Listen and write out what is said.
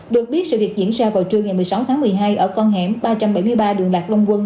được biết sự việc diễn ra vào trưa ngày một mươi sáu tháng một mươi hai ở con hẻm ba trăm bảy mươi ba đường lạc long quân